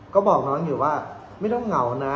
ก็บอกน้องอยู่ว่าไม่ต้องเหงานะ